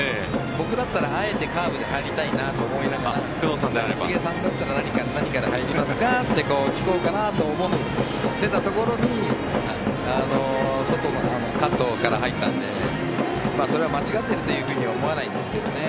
僕だったらあえてカーブで入りたいなと思いながら谷繁さんだったら何から入りますかって聞こうかなと思っていたところに外のカットから入ったのでそれは間違っているとは思わないんですが。